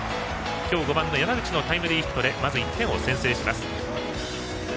今日５番の山口のタイムリーヒットで１点を先制します。